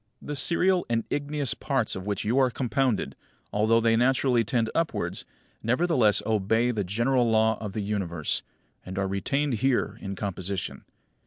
20. The serial and igneous parts of which you are compounded, although they naturally tend upwards, nevertheless obey the general law of the Universe, and are retained here in composition.